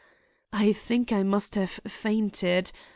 "I think I must have fainted.